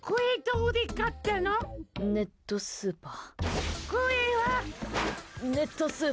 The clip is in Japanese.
うっ、ネネットスーパー。